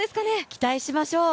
期待しましょう！